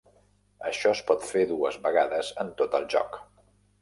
Això es pot fer dues vegades en tot el joc.